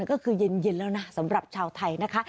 ก็คือเย็นแล้วนะสำหรับชาวไทยนะคะ